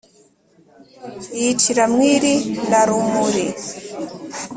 yicira Mwiri na Rumuli.